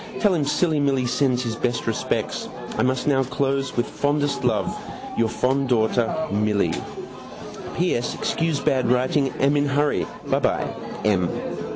Tell him silly Milly sends my best respects. I must now close with fondest love Your fond daughter Milly P. S. Excuse bad writing am in hurry. Byby. M.